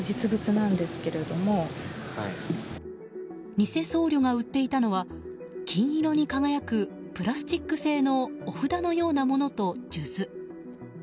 偽僧侶が売っていたのは金色に輝くプラスチック製のお札のようなものと、数珠。